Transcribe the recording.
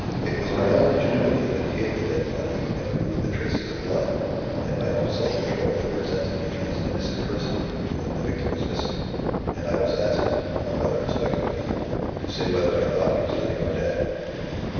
It was my own ingenuity that hid the dead body, and removed the traces of blood and my own self control that presented me as an innocent person, when the victim was missing, and I was asked (among other respectable people) to say whether I thought he was living or dead."